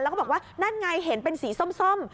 แล้วก็บอกว่านั่นไงเห็นเป็นสีส้ม